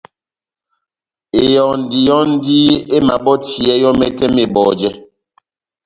Ehɔndi yɔ́ndi emabɔtiyɛ yɔ́ mɛtɛ mɛtɛ mebɔjɛ